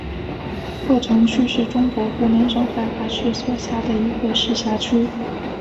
鹤城区是中国湖南省怀化市所辖的一个市辖区。